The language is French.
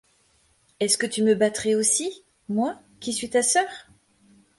Est-ce que tu me battrais aussi, moi, qui suis ta sœur ?